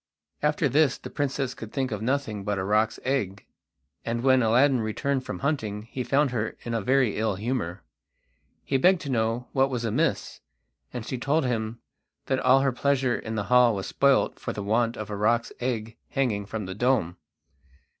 After this the princess could think of nothing but a roc's egg, and when Aladdin returned from hunting he found her in a very ill humour. He begged to know what was amiss, and she told him that all her pleasure in the hall was spoilt for the want of a roc's egg hanging from the dome.